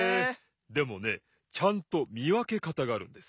でもねちゃんとみわけかたがあるんです。